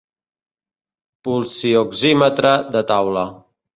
Pulsioxímetre de taula.